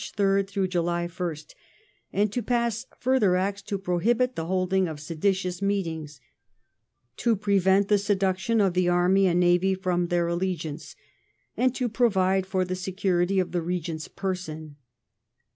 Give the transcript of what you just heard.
3rd July 1st), and to pass further Acts to prohibit the holding of seditious meetings, to prevent the seduc tion of the Army and Navy from their allegiance, and to provide for the security of the Regent's person.